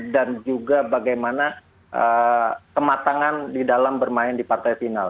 dan juga bagaimana kematangan di dalam bermain di partai final